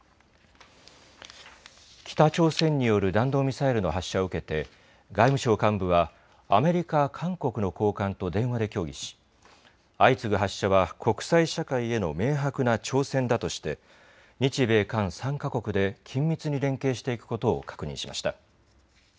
北朝鮮による弾道ミサイルの発射を受けて外務省幹部は、アメリカ、韓国の高官と電話で協議し、相次ぐ発射は国際社会への明白な挑戦だとして、日米韓３か国で緊密に連携していくことを確認しました。